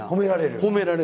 褒められる！